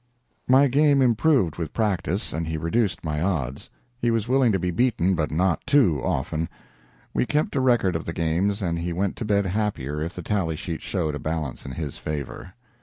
My game improved with practice, and he reduced my odds. He was willing to be beaten, but not too often. We kept a record of the games, and he went to bed happier if the tally sheet showed a balance in his favor.